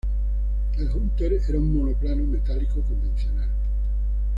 El Hunter era un monoplano metálico convencional.